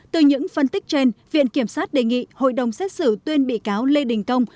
từ những phân tích trên viện kiểm sát đề nghị hội đồng xét xử tuyên bị cáo lê đình công